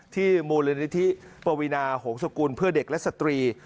ที่มูลลินิธิปรวินาโหงสกุลเพื่อเด็กและสตรี